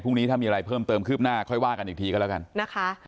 พรุ่งนี้ถ้ามีอะไรเพิ่มเติมคืบหน้าค่อยว่ากันอีกทีก็แล้วกันนะคะ